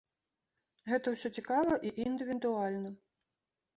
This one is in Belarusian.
Гэта ўсё цікава і індывідуальна.